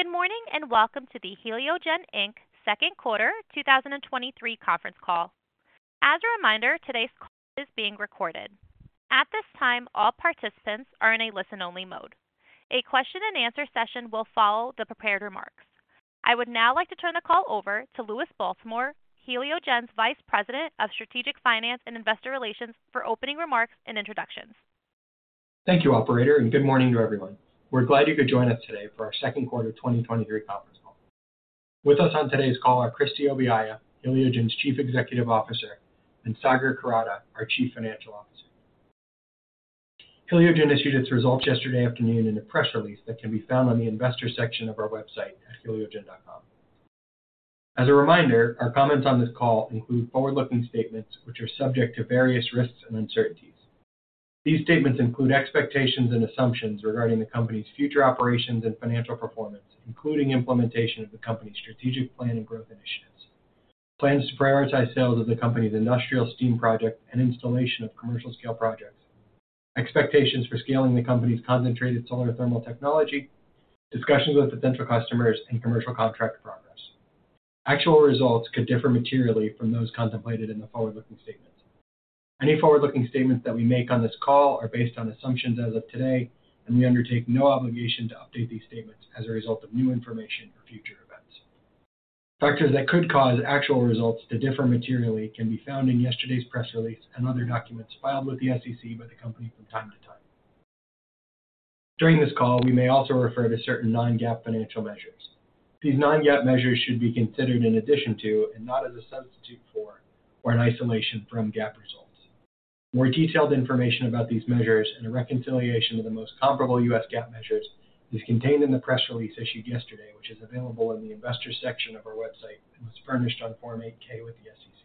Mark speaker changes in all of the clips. Speaker 1: Good morning, and welcome to the Heliogen Inc. Second Quarter 2023 conference call. As a reminder, today's call is being recorded. At this time, all participants are in a listen-only mode. A question and answer session will follow the prepared remarks. I would now like to turn the call over to Louis Baltimore, Heliogen's Vice President of Strategic Finance and Investor Relations, for opening remarks and introductions.
Speaker 2: Thank you, operator. Good morning to everyone. We're glad you could join us today for our second quarter 2023 conference call. With us on today's call are Christine Obiaya, Heliogen's Chief Executive Officer, and Sagar Kurada, our Chief Financial Officer. Heliogen issued its results yesterday afternoon in a press release that can be found on the investor section of our website at heliogen.com. As a reminder, our comments on this call include forward-looking statements, which are subject to various risks and uncertainties. These statements include expectations and assumptions regarding the company's future operations and financial performance, including implementation of the company's strategic plan and growth initiatives, plans to prioritize sales of the company's industrial steam project and installation of commercial scale projects, expectations for scaling the company's concentrated solar thermal technology, discussions with potential customers and commercial contract progress. Actual results could differ materially from those contemplated in the forward-looking statements. Any forward-looking statements that we make on this call are based on assumptions as of today. We undertake no obligation to update these statements as a result of new information or future events. Factors that could cause actual results to differ materially can be found in yesterday's press release and other documents filed with the SEC by the company from time to time. During this call, we may also refer to certain non-GAAP financial measures. These non-GAAP measures should be considered in addition to and not as a substitute for or in isolation from GAAP results. More detailed information about these measures and a reconciliation of the most comparable US GAAP measures is contained in the press release issued yesterday, which is available in the Investors section of our website and was furnished on Form 8-K with the SEC.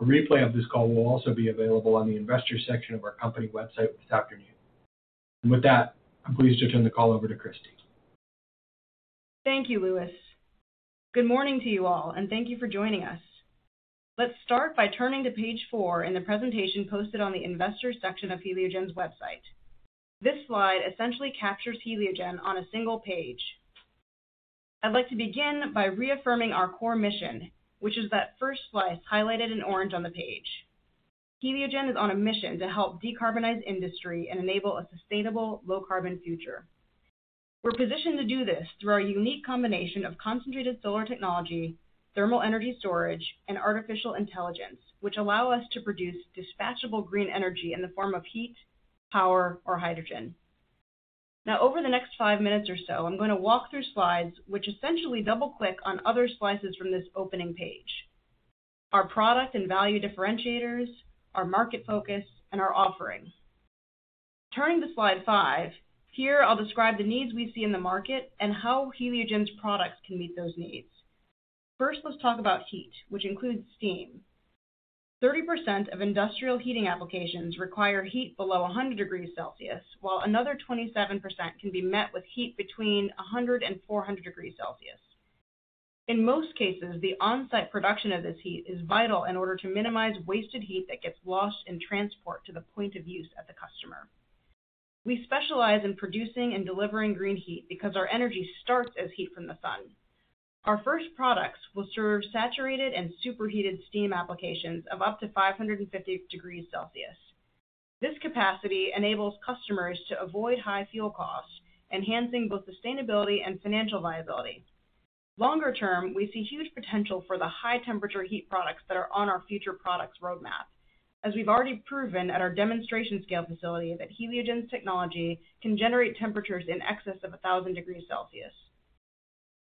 Speaker 2: A replay of this call will also be available on the Investors section of our company website this afternoon. With that, I'm pleased to turn the call over to Christine.
Speaker 3: Thank you, Louis. Good morning to you all. Thank you for joining us. Let's start by turning to page 4 in the presentation posted on the Investors section of Heliogen's website. This slide essentially captures Heliogen on a single page. I'd like to begin by reaffirming our core mission, which is that first slice highlighted in orange on the page. Heliogen is on a mission to help decarbonize industry and enable a sustainable, low-carbon future. We're positioned to do this through our unique combination of concentrated solar technology, thermal energy storage, and artificial intelligence, which allow us to produce dispatchable green energy in the form of heat, power, or hydrogen. Over the next 5 minutes or so, I'm going to walk through slides which essentially double-click on other slices from this opening page: our product and value differentiators, our market focus, and our offerings. Turning to slide 5, here I'll describe the needs we see in the market and how Heliogen's products can meet those needs. First, let's talk about heat, which includes steam. 30% of industrial heating applications require heat below 100 degrees Celsius, while another 27% can be met with heat between 100-400 degrees Celsius. In most cases, the on-site production of this heat is vital in order to minimize wasted heat that gets lost in transport to the point of use at the customer. We specialize in producing and delivering green heat because our energy starts as heat from the sun. Our first products will serve saturated and superheated steam applications of up to 550 degrees Celsius. This capacity enables customers to avoid high fuel costs, enhancing both sustainability and financial viability. Longer term, we see huge potential for the high-temperature heat products that are on our future products roadmap, as we've already proven at our demonstration scale facility that Heliogen's technology can generate temperatures in excess of 1,000 degrees Celsius.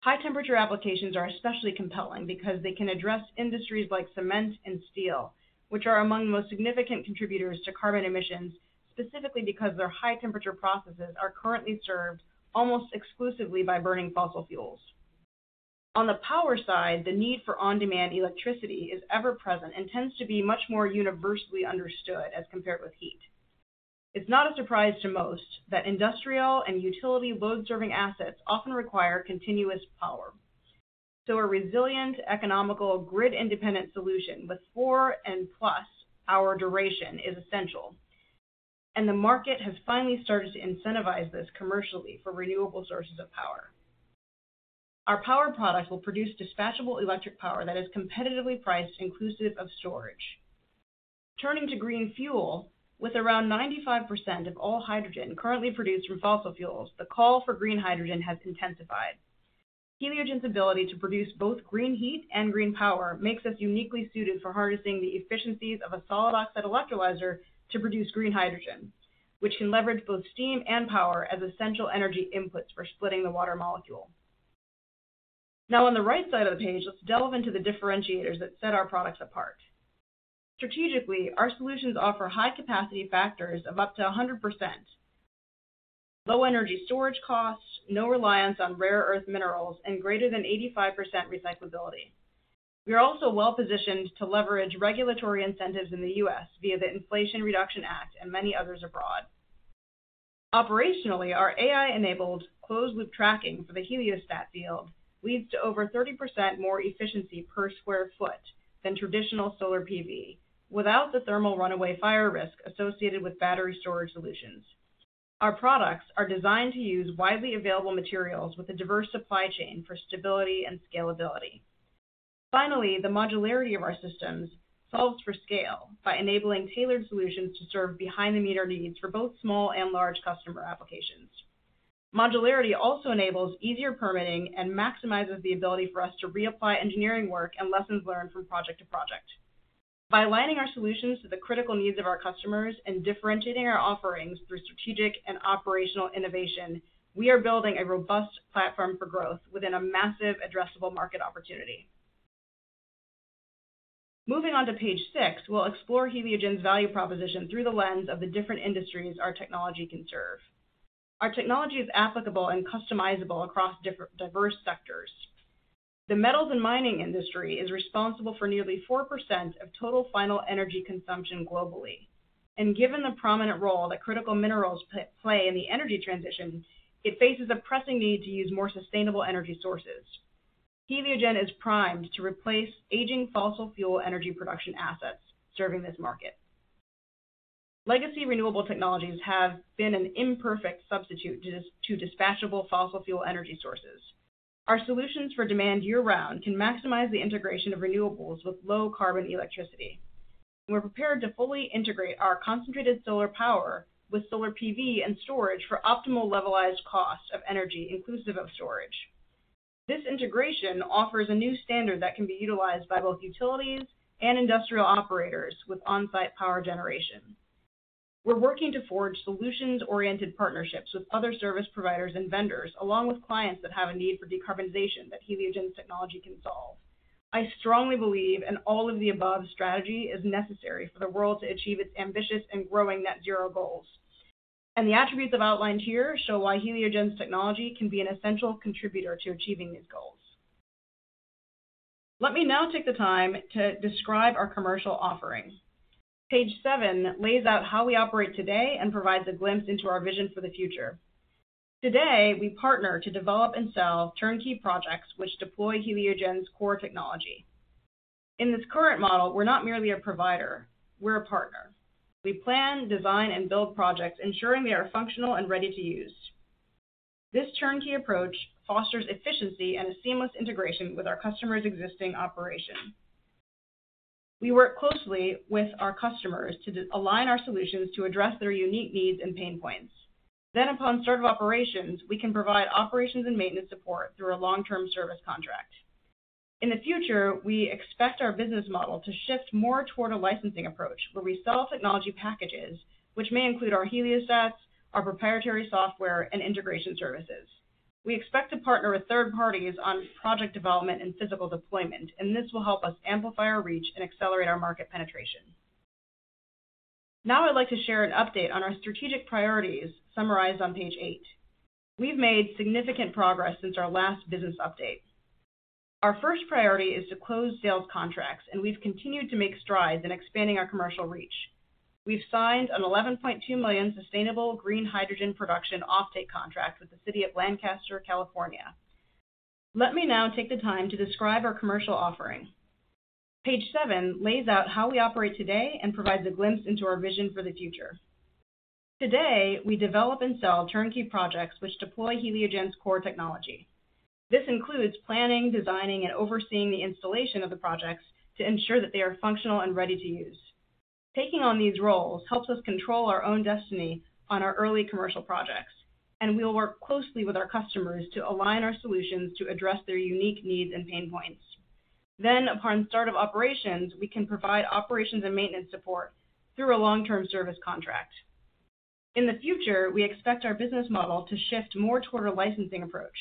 Speaker 3: High temperature applications are especially compelling because they can address industries like cement and steel, which are among the most significant contributors to carbon emissions, specifically because their high-temperature processes are currently served almost exclusively by burning fossil fuels. On the power side, the need for on-demand electricity is ever present and tends to be much more universally understood as compared with heat. It's not a surprise to most that industrial and utility load-serving assets often require continuous power, so a resilient, economical, grid-independent solution with 4+ power duration is essential, and the market has finally started to incentivize this commercially for renewable sources of power. Our power product will produce dispatchable electric power that is competitively priced, inclusive of storage. Turning to green fuel, with around 95% of all hydrogen currently produced from fossil fuels, the call for green hydrogen has intensified. Heliogen's ability to produce both green heat and green power makes us uniquely suited for harnessing the efficiencies of a solid oxide electrolyzer to produce green hydrogen, which can leverage both steam and power as essential energy inputs for splitting the water molecule. Now, on the right side of the page, let's delve into the differentiators that set our products apart. Strategically, our solutions offer high capacity factors of up to 100%, low energy storage costs, no reliance on rare earth minerals, and greater than 85% recyclability. We are also well-positioned to leverage regulatory incentives in the U.S. via the Inflation Reduction Act and many others abroad. Operationally, our AI-enabled closed-loop tracking for the heliostat field leads to over 30% more efficiency per square foot than traditional solar PV, without the thermal runaway fire risk associated with battery storage solutions. Our products are designed to use widely available materials with a diverse supply chain for stability and scalability. Finally, the modularity of our systems solves for scale by enabling tailored solutions to serve behind-the-meter needs for both small and large customer applications. Modularity also enables easier permitting and maximizes the ability for us to reapply engineering work and lessons learned from project to project. By aligning our solutions to the critical needs of our customers and differentiating our offerings through strategic and operational innovation, we are building a robust platform for growth within a massive addressable market opportunity. Moving on to page six, we'll explore Heliogen's value proposition through the lens of the different industries our technology can serve. Our technology is applicable and customizable across diverse sectors. The metals and mining industry is responsible for nearly 4% of total final energy consumption globally, and given the prominent role that critical minerals play in the energy transition, it faces a pressing need to use more sustainable energy sources. Heliogen is primed to replace aging fossil fuel energy production assets serving this market. Legacy renewable technologies have been an imperfect substitute to dispatchable fossil fuel energy sources. Our solutions for demand year-round can maximize the integration of renewables with low carbon electricity. We're prepared to fully integrate our concentrated solar power with solar PV and storage for optimal levelized cost of energy, inclusive of storage. This integration offers a new standard that can be utilized by both utilities and industrial operators with on-site power generation. We're working to forge solutions-oriented partnerships with other service providers and vendors, along with clients that have a need for decarbonization that Heliogen's technology can solve. I strongly believe, all of the above strategy is necessary for the world to achieve its ambitious and growing net zero goals. The attributes I've outlined here show why Heliogen's technology can be an essential contributor to achieving these goals. Let me now take the time to describe our commercial offerings. Page seven lays out how we operate today and provides a glimpse into our vision for the future. Today, we partner to develop and sell turnkey projects which deploy Heliogen's core technology. In this current model, we're not merely a provider, we're a partner. We plan, design, and build projects ensuring they are functional and ready to use. This turnkey approach fosters efficiency and a seamless integration with our customer's existing operation. We work closely with our customers to align our solutions to address their unique needs and pain points. Upon start of operations, we can provide operations and maintenance support through a long-term service contract. In the future, we expect our business model to shift more toward a licensing approach, where we sell technology packages, which may include our heliostats, our proprietary software, and integration services. We expect to partner with third parties on project development and physical deployment, and this will help us amplify our reach and accelerate our market penetration. Now, I'd like to share an update on our strategic priorities, summarized on page eight. We've made significant progress since our last business update. Our first priority is to close sales contracts, and we've continued to make strides in expanding our commercial reach. We've signed an $11.2 million sustainable green hydrogen production offtake contract with the City of Lancaster, California. Let me now take the time to describe our commercial offering. Page seven lays out how we operate today and provides a glimpse into our vision for the future. Today, we develop and sell turnkey projects which deploy Heliogen's core technology. This includes planning, designing, and overseeing the installation of the projects to ensure that they are functional and ready to use. Taking on these roles helps us control our own destiny on our early commercial projects, and we will work closely with our customers to align our solutions to address their unique needs and pain points. Upon start of operations, we can provide operations and maintenance support through a long-term service contract. In the future, we expect our business model to shift more toward a licensing approach,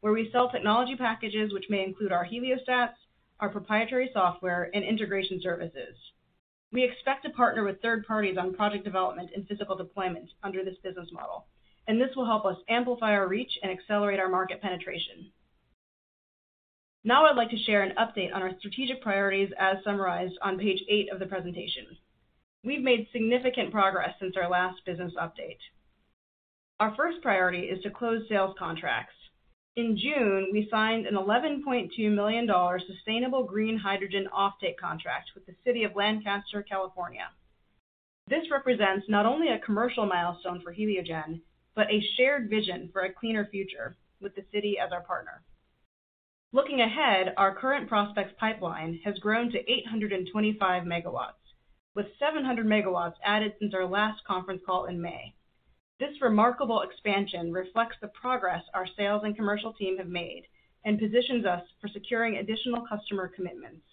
Speaker 3: where we sell technology packages, which may include our heliostats, our proprietary software, and integration services. We expect to partner with third parties on project development and physical deployment under this business model, and this will help us amplify our reach and accelerate our market penetration. Now, I'd like to share an update on our strategic priorities, as summarized on page eight of the presentation. We've made significant progress since our last business update. Our first priority is to close sales contracts. In June, we signed an $11.2 million sustainable green hydrogen offtake contract with the City of Lancaster, California. This represents not only a commercial milestone for Heliogen, but a shared vision for a cleaner future with the city as our partner. Looking ahead, our current prospects pipeline has grown to 825 megawatts, with 700 megawatts added since our last conference call in May. This remarkable expansion reflects the progress our sales and commercial team have made and positions us for securing additional customer commitments.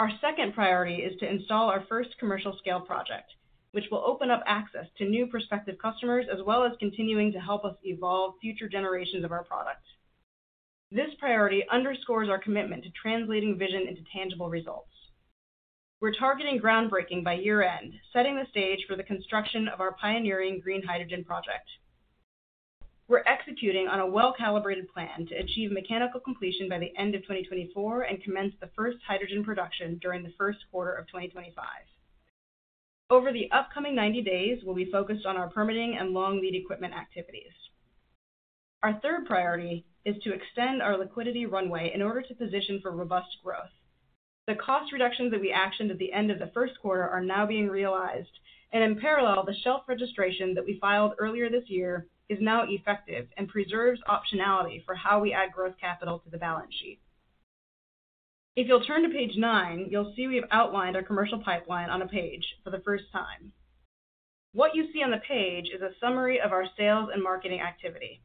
Speaker 3: Our second priority is to install our first commercial scale project, which will open up access to new prospective customers, as well as continuing to help us evolve future generations of our products. This priority underscores our commitment to translating vision into tangible results. We're targeting groundbreaking by year-end, setting the stage for the construction of our pioneering green hydrogen project. We're executing on a well-calibrated plan to achieve mechanical completion by the end of 2024, and commence the 1st hydrogen production during the 1st quarter of 2025. Over the upcoming 90 days, we'll be focused on our permitting and long lead equipment activities. Our 3rd priority is to extend our liquidity runway in order to position for robust growth. The cost reductions that we actioned at the end of the 1st quarter are now being realized, and in parallel, the shelf registration that we filed earlier this year is now effective and preserves optionality for how we add growth capital to the balance sheet. If you'll turn to page 9, you'll see we've outlined our commercial pipeline on a page for the 1st time. What you see on the page is a summary of our sales and marketing activity.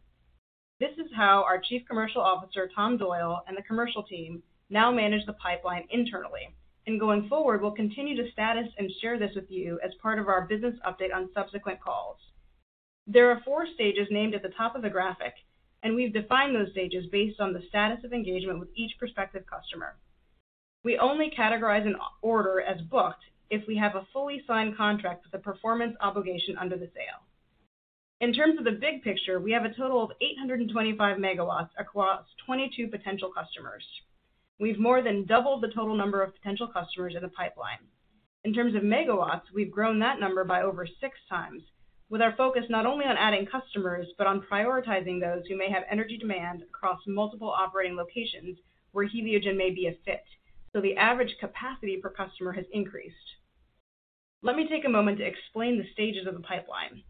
Speaker 3: This is how our Chief Commercial Officer, Tom Doyle, and the commercial team now manage the pipeline internally, and going forward, we'll continue to status and share this with you as part of our business update on subsequent calls. There are four stages named at the top of the graphic, and we've defined those stages based on the status of engagement with each prospective customer. We only categorize an order as booked if we have a fully signed contract with a performance obligation under the sale. In terms of the big picture, we have a total of 825 MW across 22 potential customers. We've more than doubled the total number of potential customers in the pipeline. In terms of megawatts, we've grown that number by over 6 times, with our focus not only on adding customers, but on prioritizing those who may have energy demand across multiple operating locations where Heliogen may be a fit, so the average capacity per customer has increased. Let me take a moment to explain the stages of the pipeline.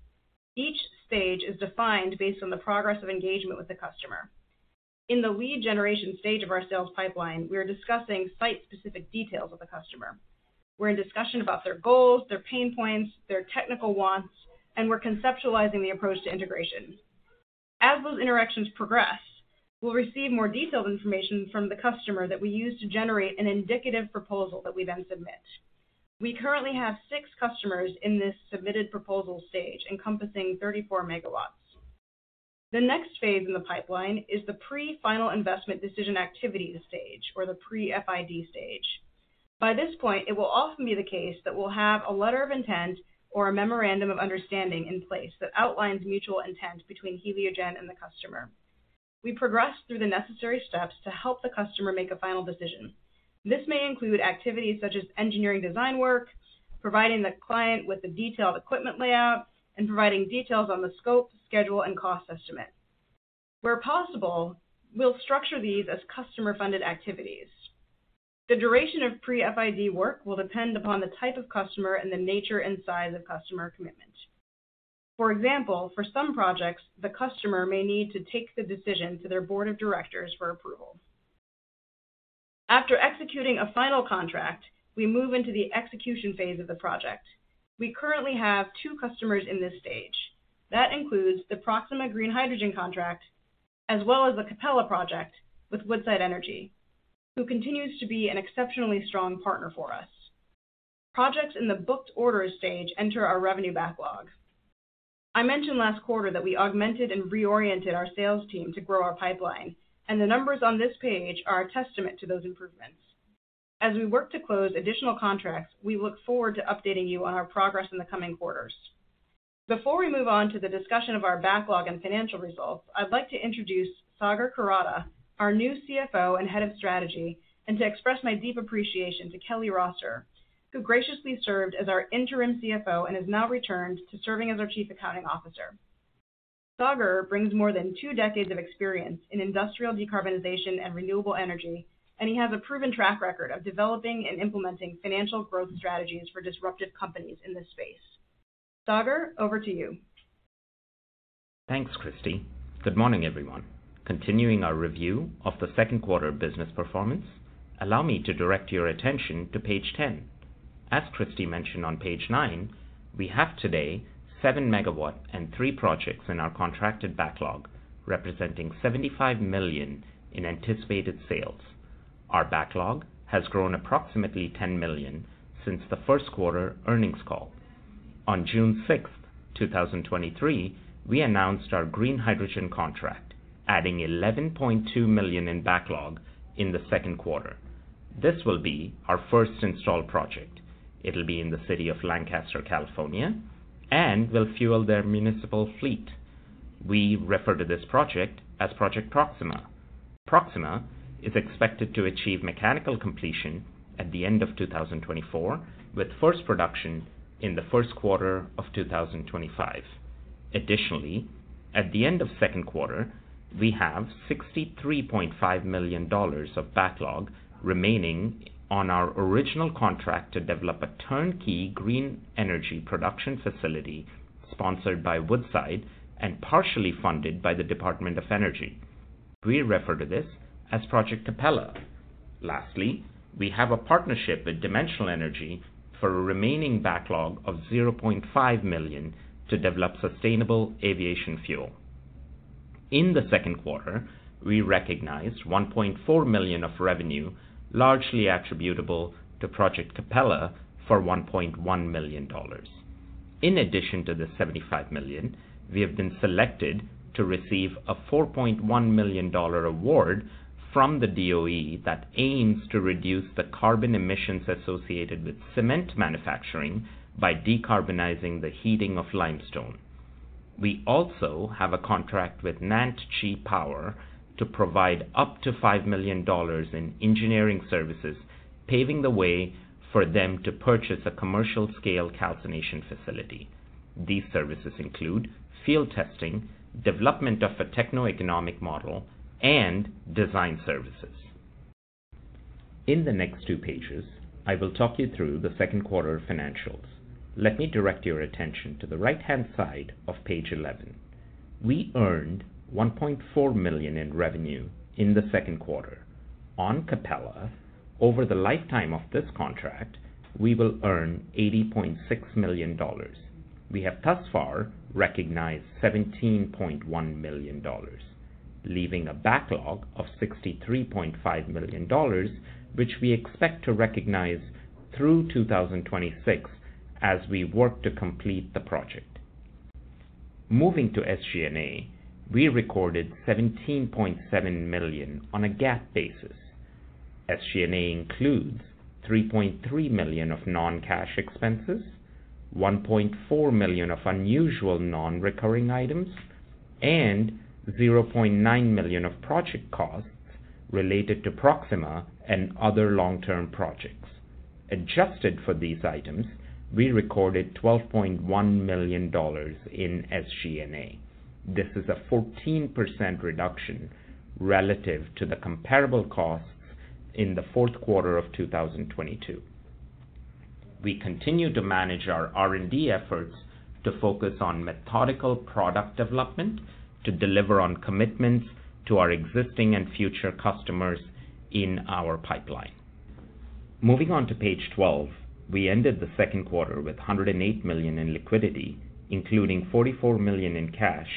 Speaker 3: Each stage is defined based on the progress of engagement with the customer. In the lead generation stage of our sales pipeline, we are discussing site-specific details with the customer. We're in discussion about their goals, their pain points, their technical wants, and we're conceptualizing the approach to integration. As those interactions progress, we'll receive more detailed information from the customer that we use to generate an indicative proposal that we then submit. We currently have 6 customers in this submitted proposal stage, encompassing 34 megawatts. The next phase in the pipeline is the pre-final investment decision activities stage, or the pre-FID stage. By this point, it will often be the case that we'll have a letter of intent or a memorandum of understanding in place that outlines mutual intent between Heliogen and the customer. We progress through the necessary steps to help the customer make a final decision. This may include activities such as engineering design work, providing the client with a detailed equipment layout, and providing details on the scope, schedule, and cost estimate. Where possible, we'll structure these as customer-funded activities. The duration of pre-FID work will depend upon the type of customer and the nature and size of customer commitment. For example, for some projects, the customer may need to take the decision to their board of directors for approval. After executing a final contract, we move into the execution phase of the project. We currently have two customers in this stage. That includes the Proxima Green Hydrogen contract, as well as the Capella project with Woodside Energy, who continues to be an exceptionally strong partner for us. Projects in the booked orders stage enter our revenue backlog. I mentioned last quarter that we augmented and reoriented our sales team to grow our pipeline, and the numbers on this page are a testament to those improvements. As we work to close additional contracts, we look forward to updating you on our progress in the coming quarters. Before we move on to the discussion of our backlog and financial results, I'd like to introduce Sagar Kurada, our new Chief Financial Officer and Head of Strategy, and to express my deep appreciation to Kelly Rosser, who graciously served as our interim Chief Financial Officer and has now returned to serving as our Chief Accounting Officer. Sagar brings more than two decades of experience in industrial decarbonization and renewable energy, and he has a proven track record of developing and implementing financial growth strategies for disruptive companies in this space. Sagar, over to you.
Speaker 4: Thanks, Christie. Good morning, everyone. Continuing our review of the second quarter business performance, allow me to direct your attention to page 10. As Christie mentioned on page 9, we have today 7 MW and three projects in our contracted backlog, representing $75 million in anticipated sales. Our backlog has grown approximately $10 million since the first quarter earnings call. On June 6, 2023, we announced our green hydrogen contract, adding $11.2 million in backlog in the second quarter. This will be our first installed project. It'll be in the city of Lancaster, California, and will fuel their municipal fleet. We refer to this project as Project Proxima. Proxima is expected to achieve mechanical completion at the end of 2024, with first production in the first quarter of 2025. Additionally, at the end of second quarter, we have $63.5 million of backlog remaining on our original contract to develop a turnkey green energy production facility sponsored by Woodside and partially funded by the U.S. Department of Energy. We refer to this as Project Capella. Lastly, we have a partnership with Dimensional Energy for a remaining backlog of $0.5 million to develop sustainable aviation fuel. In the second quarter, we recognized $1.4 million of revenue, largely attributable to Project Capella for $1.1 million. In addition to the $75 million, we have been selected to receive a $4.1 million award from the DOE that aims to reduce the carbon emissions associated with cement manufacturing by decarbonizing the heating of limestone. We also have a contract with NantG Power to provide up to $5 million in engineering services, paving the way for them to purchase a commercial-scale calcination facility. These services include field testing, development of a techno-economic model, and design services. In the next 2 pages, I will talk you through the second quarter financials. Let me direct your attention to the right-hand side of page 11. We earned $1.4 million in revenue in the second quarter. On Capella, over the lifetime of this contract, we will earn $80.6 million. We have thus far recognized $17.1 million, leaving a backlog of $63.5 million, which we expect to recognize through 2026 as we work to complete the project. Moving to SG&A, we recorded $17.7 million on a GAAP basis. SG&A includes $3.3 million of non-cash expenses, $1.4 million of unusual non-recurring items, and $0.9 million of project costs related to Proxima and other long-term projects. Adjusted for these items, we recorded $12.1 million in SG&A. This is a 14% reduction relative to the comparable costs in the fourth quarter of 2022. We continue to manage our R&D efforts to focus on methodical product development, to deliver on commitments to our existing and future customers in our pipeline. Moving on to page 12. We ended the second quarter with $108 million in liquidity, including $44 million in cash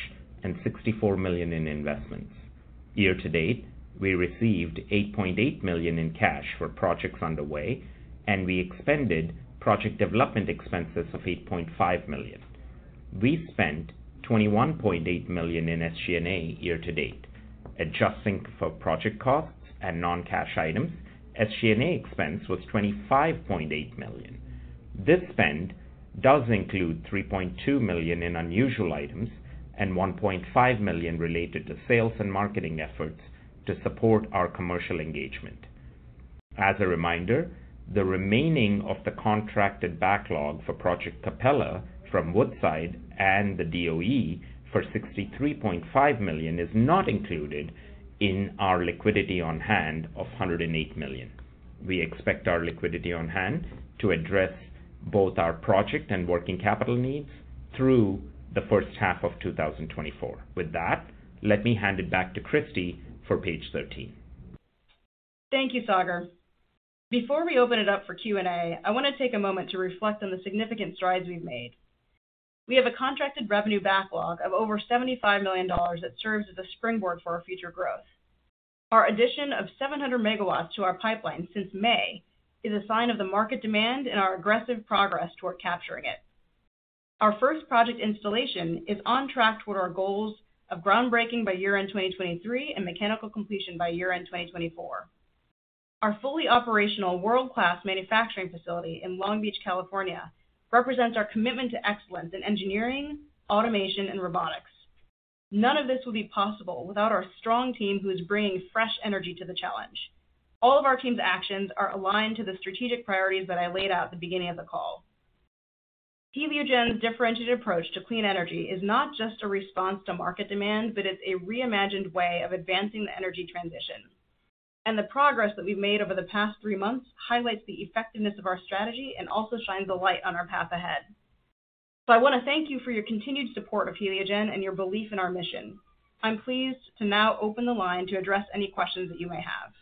Speaker 4: and $64 million in investments. Year to date, we received $8.8 million in cash for projects underway, and we expended project development expenses of $8.5 million. We spent $21.8 million in SG&A year to date. Adjusting for project costs and non-cash items, SG&A expense was $25.8 million. This spend does include $3.2 million in unusual items and $1.5 million related to sales and marketing efforts to support our commercial engagement. As a reminder, the remaining of the contracted backlog for Project Capella from Woodside and the DOE for $63.5 million is not included in our liquidity on hand of $108 million. We expect our liquidity on hand to address both our project and working capital needs through the first half of 2024. With that, let me hand it back to Christi for page 13.
Speaker 3: Thank you, Sagar. Before we open it up for Q&A, I want to take a moment to reflect on the significant strides we've made. We have a contracted revenue backlog of over $75 million that serves as a springboard for our future growth. Our addition of 700 MW to our pipeline since May is a sign of the market demand and our aggressive progress toward capturing it. Our first project installation is on track toward our goals of groundbreaking by year-end 2023 and mechanical completion by year-end 2024. Our fully operational, world-class manufacturing facility in Long Beach, California, represents our commitment to excellence in engineering, automation, and robotics. None of this would be possible without our strong team, who is bringing fresh energy to the challenge. All of our team's actions are aligned to the strategic priorities that I laid out at the beginning of the call. Heliogen's differentiated approach to clean energy is not just a response to market demand, but it's a reimagined way of advancing the energy transition. The progress that we've made over the past three months highlights the effectiveness of our strategy and also shines a light on our path ahead. I want to thank you for your continued support of Heliogen and your belief in our mission. I'm pleased to now open the line to address any questions that you may have.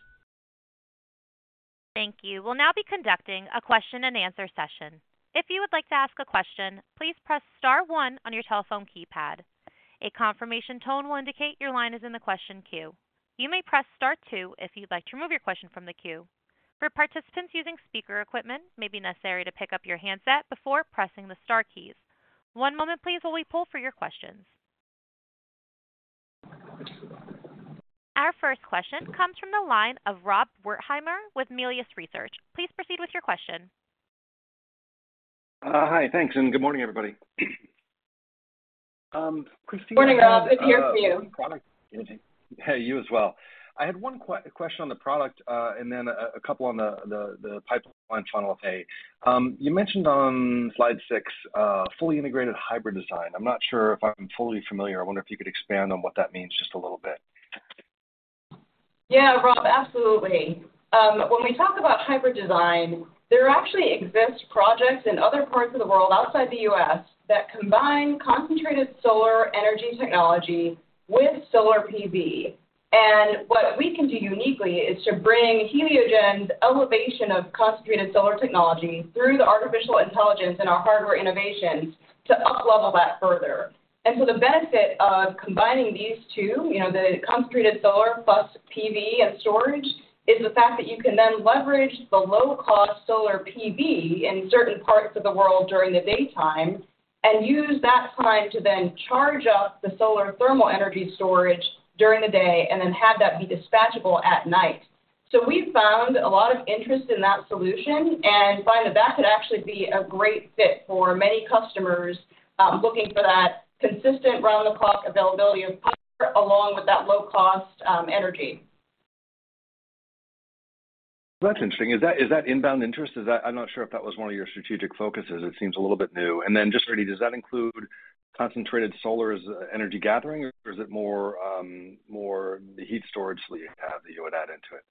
Speaker 1: Thank you. We'll now be conducting a question-and-answer session. If you would like to ask a question, please press star one on your telephone keypad. A confirmation tone will indicate your line is in the question queue. You may press star two if you'd like to remove your question from the queue. For participants using speaker equipment, it may be necessary to pick up your handset before pressing the star keys. One moment please, while we pull for your questions. Our first question comes from the line of Rob Wertheimer with Melius Research. Please proceed with your question.
Speaker 5: Hi. Thanks. Good morning, everybody. Christina-
Speaker 3: Morning, Rob. It's here for you.
Speaker 5: Hey, you as well. I had one question on the product, and then a couple on the pipeline funnel. You mentioned on slide six, fully integrated hybrid design. I'm not sure if I'm fully familiar. I wonder if you could expand on what that means just a little bit.
Speaker 3: Yeah, Rob, absolutely. When we talk about hybrid design, there actually exists projects in other parts of the world outside the U.S. that combine concentrated solar energy technology with solar PV. What we can do uniquely is to bring Heliogen's elevation of concentrated solar technology through the artificial intelligence and our hardware innovations, to uplevel that further. The benefit of combining these two, you know, the concentrated solar plus PV and storage, is the fact that you can then leverage the low-cost solar PV in certain parts of the world during the daytime, and use that time to then charge up the solar thermal energy storage during the day, and then have that be dispatchable at night. We've found a lot of interest in that solution and find that that could actually be a great fit for many customers, looking for that consistent round-the-clock availability of power, along with that low-cost, energy. ...
Speaker 5: Well, that's interesting. Is that, is that inbound interest? I'm not sure if that was one of your strategic focuses. It seems a little bit new. Just really, does that include concentrated solar as energy gathering or is it more, more the heat storage that you have, that you would add into it?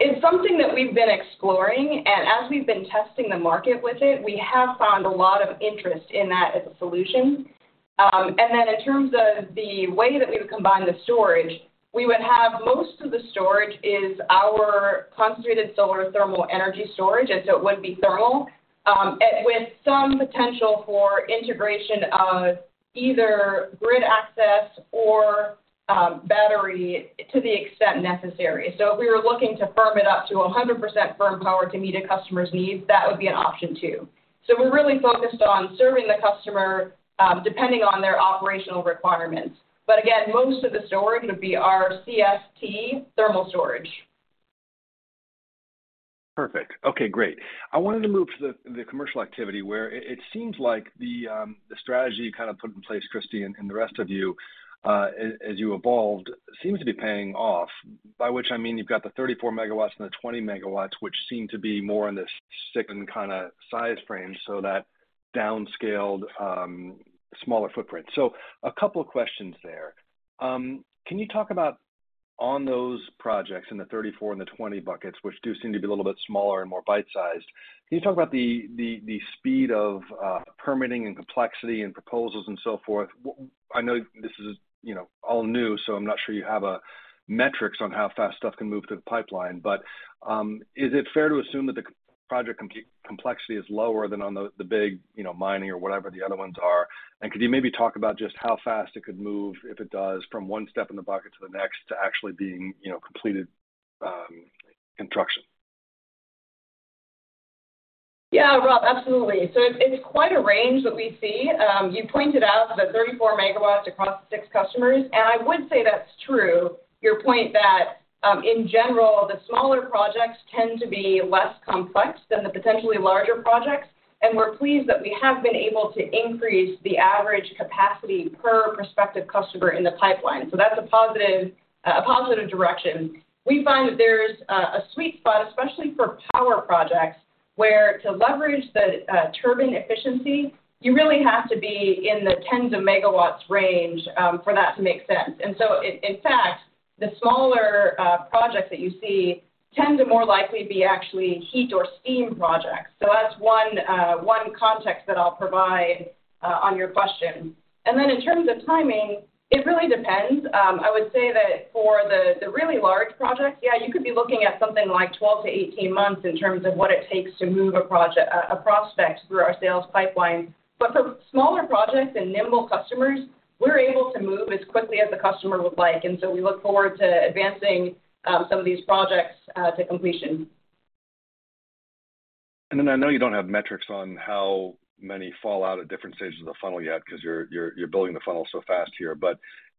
Speaker 3: It's something that we've been exploring, and as we've been testing the market with it, we have found a lot of interest in that as a solution. Then in terms of the way that we would combine the storage, we would have most of the storage is our concentrated solar thermal energy storage, and so it would be thermal. With some potential for integration of either grid access or, battery to the extent necessary. If we were looking to firm it up to 100% firm power to meet a customer's needs, that would be an option too. We're really focused on serving the customer, depending on their operational requirements. Again, most of the storage would be our CST thermal storage.
Speaker 5: Perfect. Okay, great. I wanted to move to the, the commercial activity, where it, it seems like the, the strategy you kind of put in place, Christie, and, and the rest of you, as, as you evolved, seems to be paying off. By which I mean, you've got the 34 megawatts and the 20 megawatts, which seem to be more in the second kinda size frame, so that downscaled, smaller footprint. A couple of questions there. Can you talk about on those projects, in the 34 and the 20 buckets, which do seem to be a little bit smaller and more bite-sized, can you talk about the, the, the speed of, permitting and complexity and proposals and so forth? I know this is, you know, all new, so I'm not sure you have metrics on how fast stuff can move through the pipeline. Is it fair to assume that the project complexity is lower than on the, the big, you know, mining or whatever the other ones are? Could you maybe talk about just how fast it could move, if it does, from one step in the bucket to the next, to actually being, you know, completed, construction?
Speaker 3: Yeah, Rob, absolutely. It's quite a range that we see. You pointed out the 34 MW across 6 customers, and I would say that's true, your point that, in general, the smaller projects tend to be less complex than the potentially larger projects. We're pleased that we have been able to increase the average capacity per prospective customer in the pipeline. That's a positive, a positive direction. We find that there's a, a sweet spot, especially for power projects, where to leverage the, turbine efficiency, you really have to be in the tens of MW range, for that to make sense. In fact, the smaller, projects that you see tend to more likely be actually heat or steam projects. That's one, one context that I'll provide on your question. Then in terms of timing, it really depends. I would say that for the, the really large projects, yeah, you could be looking at something like 12-18 months in terms of what it takes to move a project, a, a prospect through our sales pipeline. But for smaller projects and nimble customers, we're able to move as quickly as the customer would like, and so we look forward to advancing some of these projects to completion.
Speaker 5: Then I know you don't have metrics on how many fall out at different stages of the funnel yet, 'cause you're building the funnel so fast here.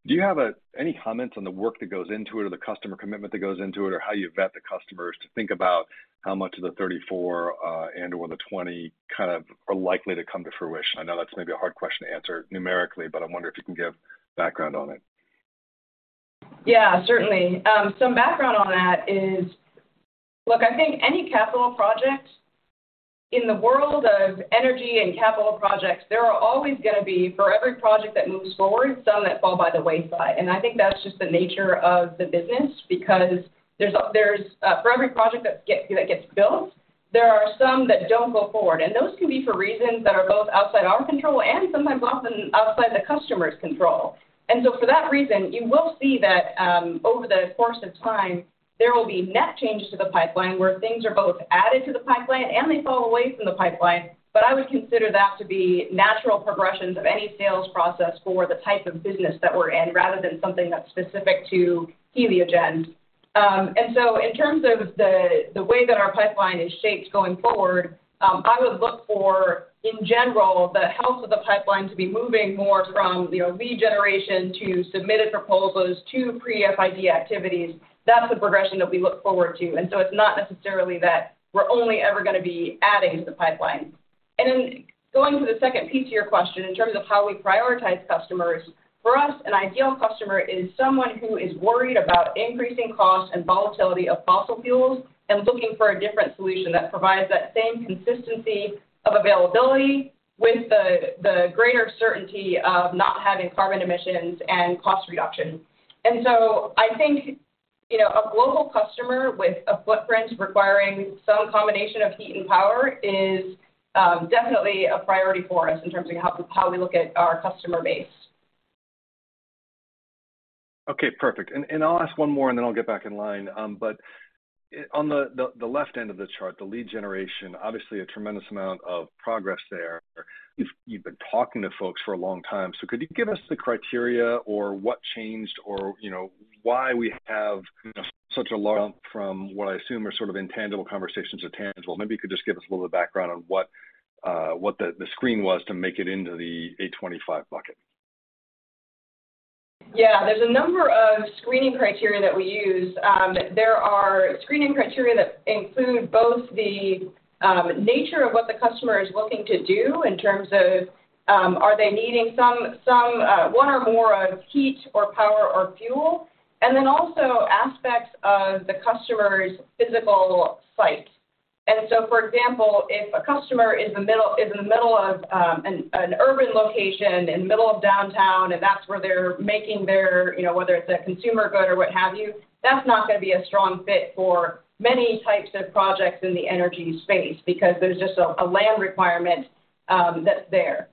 Speaker 5: Do you have any comments on the work that goes into it, or the customer commitment that goes into it, or how you vet the customers to think about how much of the 34 and/or the 20 kind of are likely to come to fruition? I know that's maybe a hard question to answer numerically, but I wonder if you can give background on it.
Speaker 3: Yeah, certainly. Some background on that is. Look, I think any capital project, in the world of energy and capital projects, there are always gonna be, for every project that moves forward, some that fall by the wayside. I think that's just the nature of the business, because there's, there's, for every project that get, that gets built, there are some that don't go forward. Those can be for reasons that are both outside our control and sometimes often outside the customer's control. For that reason, you will see that, over the course of time, there will be net change to the pipeline, where things are both added to the pipeline and they fall away from the pipeline. I would consider that to be natural progressions of any sales process for the type of business that we're in, rather than something that's specific to Heliogen. And so in terms of the, the way that our pipeline is shaped going forward, I would look for, in general, the health of the pipeline to be moving more from, you know, lead generation to submitted proposals to pre-FID activities. That's the progression that we look forward to, and so it's not necessarily that we're only ever gonna be adding to the pipeline. Then going to the second piece of your question, in terms of how we prioritize customers, for us, an ideal customer is someone who is worried about increasing costs and volatility of fossil fuels, and looking for a different solution that provides that same consistency of availability, with the greater certainty of not having carbon emissions and cost reduction. So I think, you know, a global customer with a footprint requiring some combination of heat and power is definitely a priority for us in terms of how we look at our customer base.
Speaker 5: Okay, perfect. I'll ask one more, and then I'll get back in line. On the, the, the left end of the chart, the lead generation, obviously a tremendous amount of progress there. You've, you've been talking to folks for a long time. Could you give us the criteria or what changed or, you know, why we have, you know, such a large jump from what I assume are sort of intangible conversations to tangible? Maybe you could just give us a little background on what, what the, the screen was to make it into the 825 bucket.
Speaker 3: Yeah. There's a number of screening criteria that we use. There are screening criteria that include both the nature of what the customer is looking to do in terms of, are they needing some, some, one or more of heat or power or fuel? Then also aspects of the customer's physical site. So, for example, if a customer is in the middle, is in the middle of an urban location, in the middle of downtown, and that's where they're making their, you know, whether it's a consumer good or what have you, that's not gonna be a strong fit for many types of projects in the energy space, because there's just a land requirement that's there.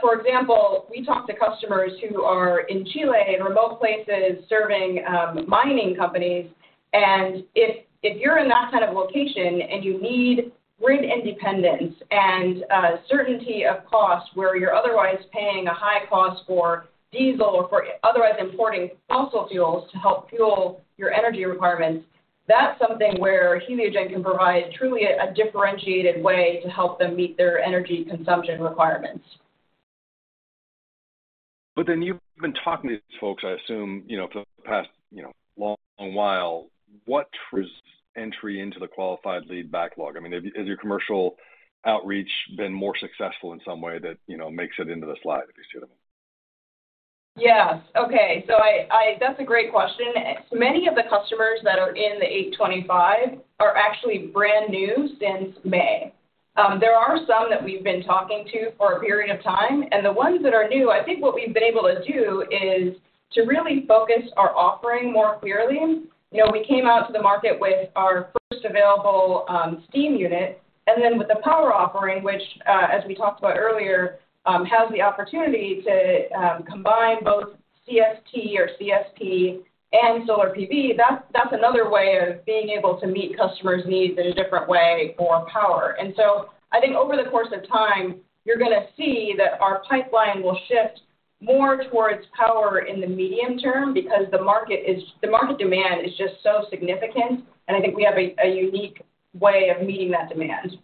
Speaker 3: For example, we talk to customers who are in Chile, in remote places, serving mining companies. If, if you're in that kind of location and you need grid independence and certainty of cost, where you're otherwise paying a high cost for diesel or for otherwise importing fossil fuels to help fuel your energy requirements, that's something where Heliogen can provide truly a, a differentiated way to help them meet their energy consumption requirements.
Speaker 6: You've been talking to these folks, I assume, you know, for the past, you know, long while. What was entry into the qualified lead backlog? I mean, has your commercial outreach been more successful in some way that, you know, makes it into the slide, if you see them?
Speaker 3: Yes. Okay. That's a great question. Many of the customers that are in the 825 are actually brand new since May. There are some that we've been talking to for a period of time, and the ones that are new, I think what we've been able to do is to really focus our offering more clearly. You know, we came out to the market with our first available steam unit, and then with the power offering, which, as we talked about earlier, has the opportunity to combine both CST or CSP and solar PV, that's, that's another way of being able to meet customers' needs in a different way for power. I think over the course of time, you're gonna see that our pipeline will shift more towards power in the medium term because the market demand is just so significant, and I think we have a, a unique way of meeting that demand.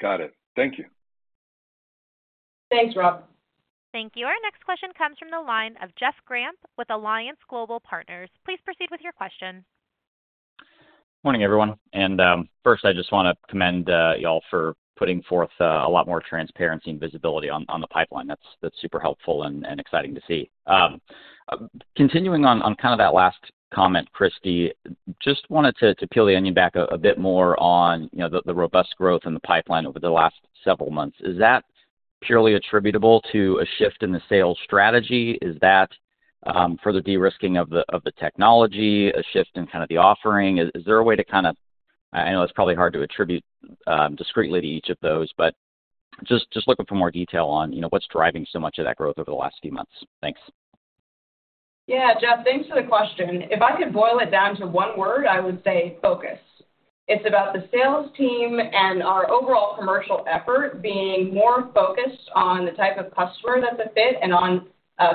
Speaker 5: Got it. Thank you.
Speaker 3: Thanks, Rob.
Speaker 1: Thank you. Our next question comes from the line of Jeff Grampp with Alliance Global Partners. Please proceed with your question.
Speaker 7: Morning, everyone. First, I just want to commend you all for putting forth a lot more transparency and visibility on the pipeline. That's, that's super helpful and exciting to see. Continuing on, on kind of that last comment, Christie, just wanted to peel the onion back a bit more on, you know, the robust growth in the pipeline over the last several months. Is that purely attributable to a shift in the sales strategy? Is that further de-risking of the technology, a shift in kind of the offering? Is there a way to kind of... I know it's probably hard to attribute discreetly to each of those, but just looking for more detail on, you know, what's driving so much of that growth over the last few months. Thanks.
Speaker 3: Yeah, Jeff, thanks for the question. If I could boil it down to one word, I would say focus. It's about the sales team and our overall commercial effort being more focused on the type of customer that's a fit, and on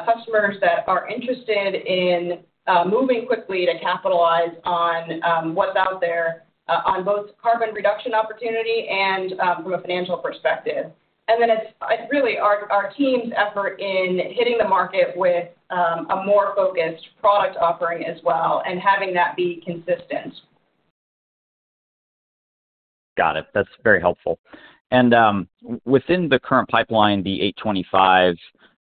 Speaker 3: customers that are interested in moving quickly to capitalize on what's out there on both carbon reduction opportunity and from a financial perspective. Then it's, it's really our, our team's effort in hitting the market with a more focused product offering as well, and having that be consistent.
Speaker 7: Got it. That's very helpful. Within the current pipeline, the 825,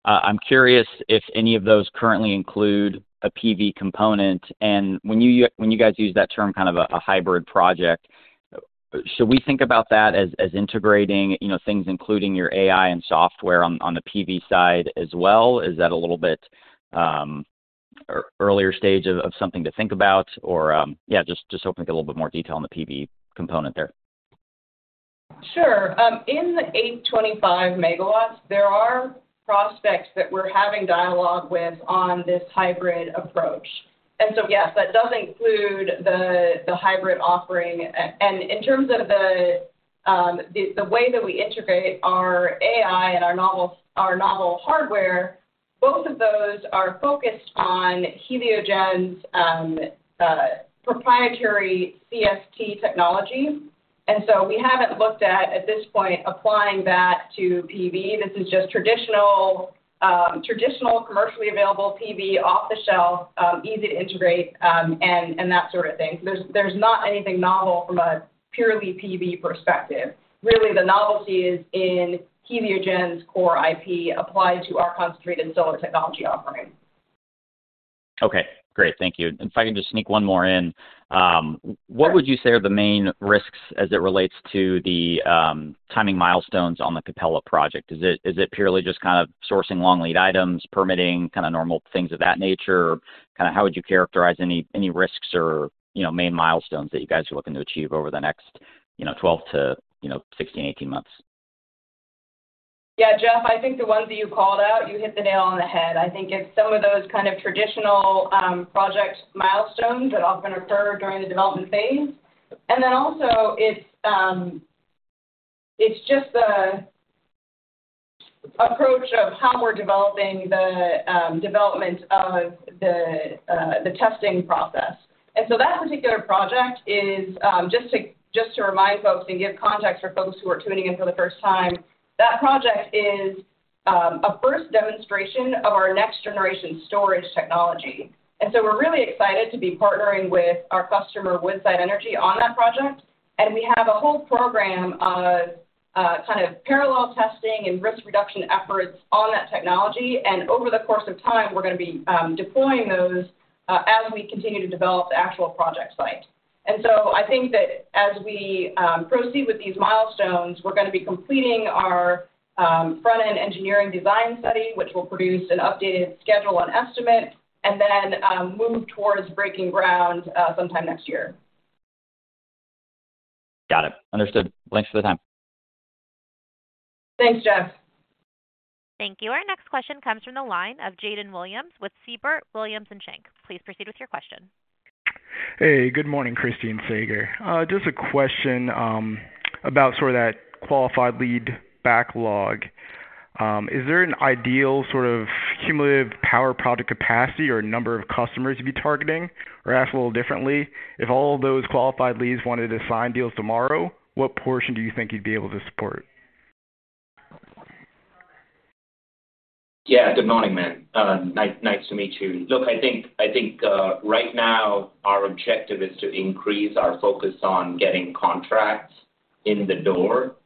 Speaker 7: I'm curious if any of those currently include a PV component. When you guys use that term, kind of a, a hybrid project, should we think about that as, as integrating, you know, things including your AI and software on, on the PV side as well? Is that a little bit earlier stage of, of something to think about? Or, yeah, just, just hoping to get a little bit more detail on the PV component there.
Speaker 3: Sure. In the 825 MW, there are prospects that we're having dialogue with on this hybrid approach. Yes, that does include the, the hybrid offering. In terms of the, the way that we integrate our AI and our novel, our novel hardware, both of those are focused on Heliogen's proprietary CST technology. We haven't looked at, at this point, applying that to PV. This is just traditional, traditional, commercially available PV, off-the-shelf, easy to integrate, and, and that sort of thing. There's, there's not anything novel from a purely PV perspective. Really, the novelty is in Heliogen's core IP applied to our concentrated solar technology offering.
Speaker 7: Okay, great. Thank you. If I can just sneak one more in?
Speaker 3: Sure.
Speaker 7: What would you say are the main risks as it relates to the timing milestones on the Capella project? Is it purely just kind of sourcing long lead items, permitting, kind of normal things of that nature? Kind of how would you characterize any risks or, you know, main milestones that you guys are looking to achieve over the next, you know, 12 to, you know, 16-18 months?
Speaker 3: Yeah, Jeff, I think the ones that you called out, you hit the nail on the head. I think it's some of those kind of traditional, project milestones that often occur during the development phase. Then also, it's, it's just the approach of how we're developing the, development of the, the testing process. So that particular project is, just to, just to remind folks and give context for folks who are tuning in for the first time, that project is, a first demonstration of our next-generation storage technology. So we're really excited to be partnering with our customer, Woodside Energy, on that project. We have a whole program of, kind of parallel testing and risk reduction efforts on that technology. Over the course of time, we're going to be deploying those as we continue to develop the actual project site. I think that as we proceed with these milestones, we're going to be completing our front-end engineering design study, which will produce an updated schedule and estimate, and then move towards breaking ground sometime next year.
Speaker 7: Got it. Understood. Thanks for the time.
Speaker 3: Thanks, Jeff.
Speaker 1: Thank you. Our next question comes from the line of Jordon Williams with Siebert Williams Shank. Please proceed with your question.
Speaker 8: Hey, good morning, Kristine Sager. Just a question about sort of that qualified lead backlog. Is there an ideal sort of cumulative power project capacity or number of customers to be targeting? Or ask a little differently, if all those qualified leads wanted to sign deals tomorrow, what portion do you think you'd be able to support?
Speaker 9: Yeah, good morning, man. nice to meet you. Look, I think, I think, right now our objective is to increase our focus on getting contracts in the door.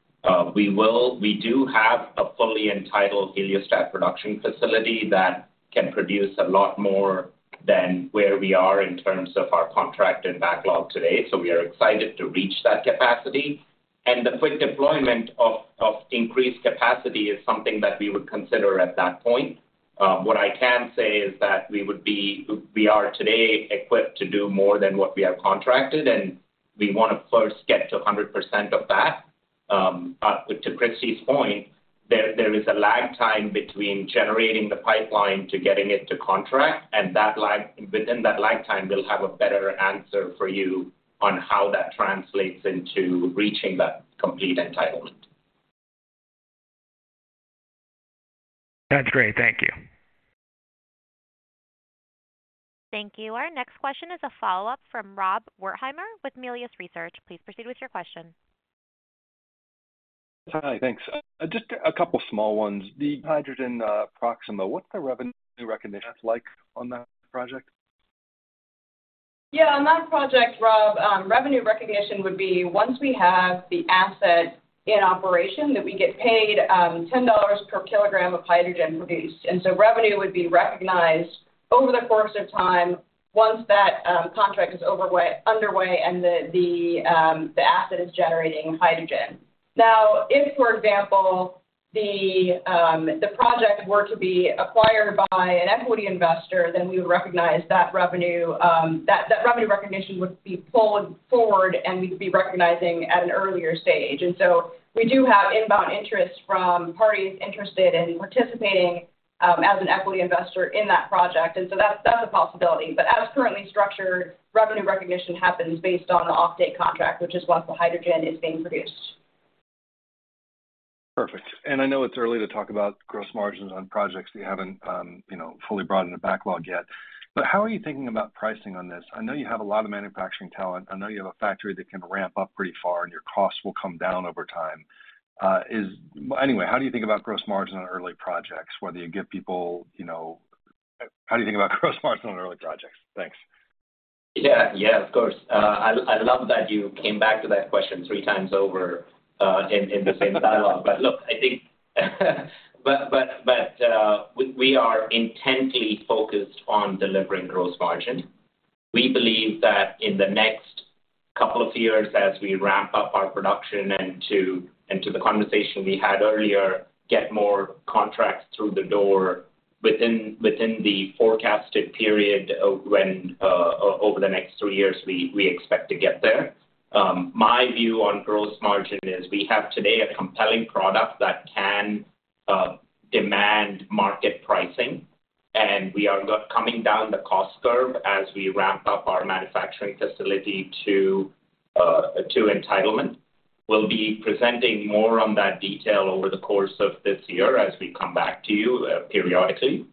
Speaker 9: We do have a fully entitled heliostat production facility that can produce a lot more than where we are in terms of our contract and backlog today. We are excited to reach that capacity. The quick deployment of increased capacity is something that we would consider at that point. What I can say is that we are today equipped to do more than what we have contracted, and we want to first get to a 100% of that. To Kristine's point, there is a lag time between generating the pipeline to getting it to contract, and within that lag time, we'll have a better answer for you on how that translates into reaching that complete entitlement.
Speaker 8: That's great. Thank you.
Speaker 1: Thank you. Our next question is a follow-up from Rob Wertheimer with Melius Research. Please proceed with your question.
Speaker 5: Hi, thanks. Just a couple small ones. The hydrogen, Proxima, what's the revenue recognition like on that project?
Speaker 3: Yeah, on that project, Rob, revenue recognition would be once we have the asset in operation, that we get paid, $10 per kilogram of hydrogen produced. Revenue would be recognized over the course of time once that contract is underway and the, the asset is generating hydrogen. If, for example, the project were to be acquired by an equity investor, then we would recognize that revenue, that, that revenue recognition would be pulled forward, and we would be recognizing at an earlier stage. We do have inbound interest from parties interested in participating as an equity investor in that project. That's, that's a possibility. As currently structured, revenue recognition happens based on the offtake contract, which is once the hydrogen is being produced.
Speaker 5: Perfect. I know it's early to talk about gross margins on projects that you haven't, you know, fully brought in the backlog yet, but how are you thinking about pricing on this? I know you have a lot of manufacturing talent. I know you have a factory that can ramp up pretty far, and your costs will come down over time. Anyway, how do you think about gross margin on early projects, whether you give people, you know... How do you think about gross margins on early projects? Thanks.
Speaker 9: Yeah, yeah, of course. I, I love that you came back to that question three times over in, in the same dialogue. Look, I think, we, we are intently focused on delivering gross margin. We believe that in the next couple of years, as we ramp up our production and to, and to the conversation we had earlier, get more contracts through the door within, within the forecasted period of when over the next two years, we, we expect to get there. My view on gross margin is we have today a compelling product that can demand market pricing, and we are coming down the cost curve as we ramp up our manufacturing facility to entitlement. We'll be presenting more on that detail over the course of this year as we come back to you periodically.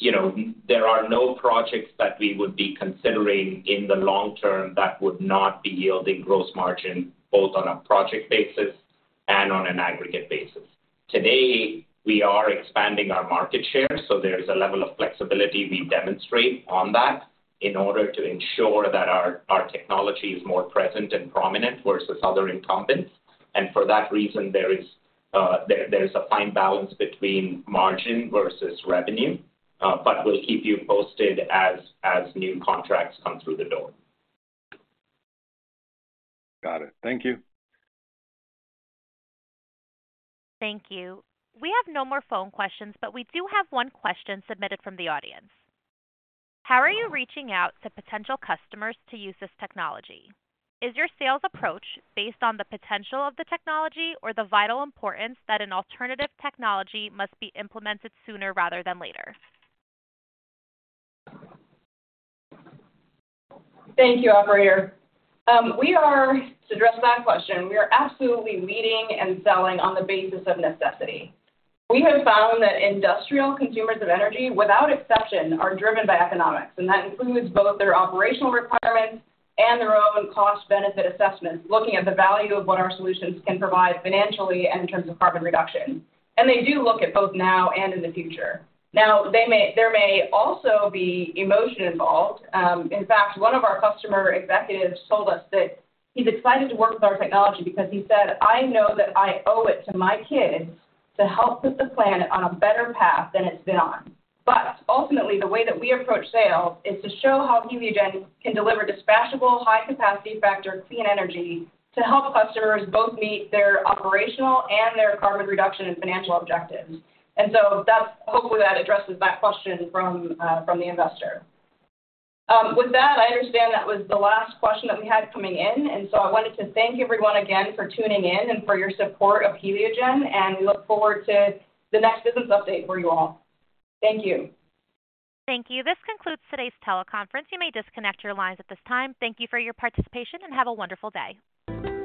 Speaker 9: You know, there are no projects that we would be considering in the long term that would not be yielding gross margin, both on a project basis and on an aggregate basis. Today, we are expanding our market share, so there is a level of flexibility we demonstrate on that in order to ensure that our technology is more present and prominent versus other incumbents. For that reason, there is a fine balance between margin versus revenue. We'll keep you posted as new contracts come through the door.
Speaker 5: Got it. Thank you.
Speaker 1: Thank you. We have no more phone questions. We do have one question submitted from the audience: How are you reaching out to potential customers to use this technology? Is your sales approach based on the potential of the technology or the vital importance that an alternative technology must be implemented sooner rather than later?
Speaker 3: Thank you, operator. We are, to address that question, we are absolutely leading and selling on the basis of necessity. We have found that industrial consumers of energy, without exception, are driven by economics, and that includes both their operational requirements and their own cost-benefit assessments, looking at the value of what our solutions can provide financially and in terms of carbon reduction. They do look at both now and in the future. Now, they may there may also be emotion involved. In fact, one of our customer executives told us that he's excited to work with our technology because he said, "I know that I owe it to my kids to help put the planet on a better path than it's been on." Ultimately, the way that we approach sales is to show how Heliogen can deliver dispatchable, high-capacity factor clean energy to help customers both meet their operational and their carbon reduction and financial objectives. So that's, hopefully, that addresses that question from the investor. With that, I understand that was the last question that we had coming in, and so I wanted to thank everyone again for tuning in and for your support of Heliogen, and we look forward to the next business update for you all. Thank you.
Speaker 1: Thank you. This concludes today's teleconference. You may disconnect your lines at this time. Thank you for your participation, and have a wonderful day.